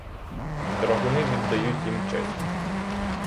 Драгуни віддають їм честь.